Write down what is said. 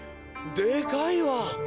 でかいわ！